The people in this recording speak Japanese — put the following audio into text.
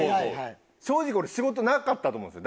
正直俺仕事なかったと思うんですよ